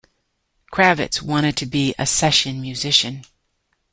Kravitz wanted to be a session musician.